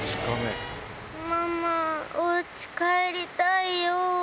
ママお家帰りたいよ。